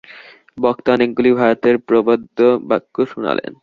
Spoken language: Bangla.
বক্তা অনেকগুলি ভারতীয় প্রবাদ-বাক্য শুনান।